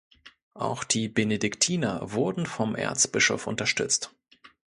Auch die Benediktiner wurden vom Erzbischof unterstützt.